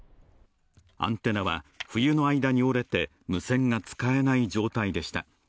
アンテナは冬の間に折れて無線が使えない状態でした。